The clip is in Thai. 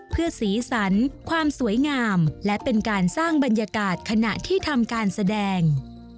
เพื่อสีสันความสวยงามและเป็นการสร้างบรรยากาศขณะที่ทำการแสดง